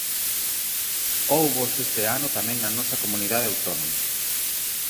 Hóuboos este ano tamén na nosa comunidade autónoma.